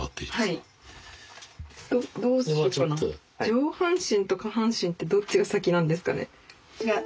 上半身と下半身ってどっちが先なんですかね？